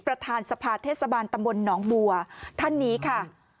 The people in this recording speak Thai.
ประธานสภาเทศบาลตำบลหนองบัวท่านนี้ค่ะ